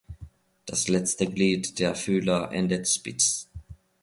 Das letzte Glied der Fühler endet spitz.